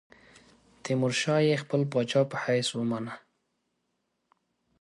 تیمورشاه یې خپل پاچا په حیث ومانه.